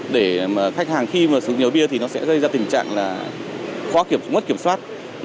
để khách hàng khi sử dụng nhiều bia thì nó sẽ rơi ra tình trạng khó kiểm soát